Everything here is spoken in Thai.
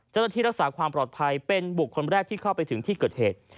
เจ้าหน้าที่รักษาความปลอดภัยเป็นบุคคลแรกที่เข้าไปถึงที่เกิดเหตุ